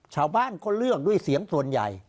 ชาวบ้านก็เลือกด้วยเสียงส่วนใหญ่